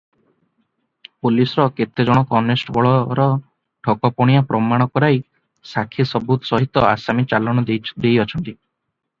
ପୋଲିଶର କେତେଜଣ କନଷ୍ଟବଳର ଠକପଣିଆ ପ୍ରମାଣ କରାଇ ସାକ୍ଷୀ ସାବୁତ ସହିତ ଆସାମୀ ଚଲାଣ ଦେଇ ଅଛନ୍ତି ।